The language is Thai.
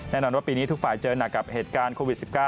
แน่นอนว่าปีนี้ทุกฝ่ายเจอหนักกับเหตุการณ์โควิด๑๙